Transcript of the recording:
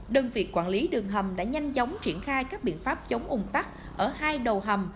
đơn việc quản lý đường hầm đã nhanh chóng triển khai các biện pháp chống ùn tắt ở hai đầu hầm